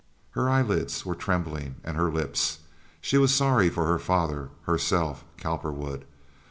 Her eyelids, were trembling, and her lips. She was sorry for her father, herself, Cowperwood.